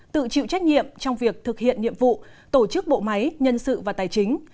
tự chịu trách nhiệm trong việc thực hiện nhiệm vụ tổ chức bộ máy nhân sự và tài chính